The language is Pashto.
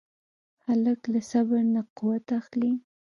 هلک له صبر نه قوت اخلي.